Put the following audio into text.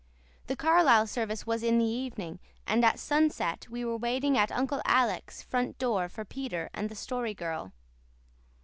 The Carlisle service was in the evening, and at sunset we were waiting at Uncle Alec's front door for Peter and the Story Girl.